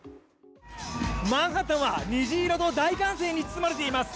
マンハッタンは虹色と大歓声に包まれています